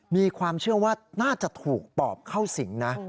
มีความเชื่อว่าน่าจะถูกปอบเข้าสิงนะ